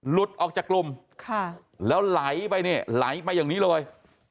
หลุดออกจากกลุ่มแล้วไหลไปเนี่ยไหลมาอย่างนี้เลย